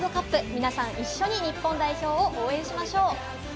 皆さん、一緒に日本代表を応援しましょう。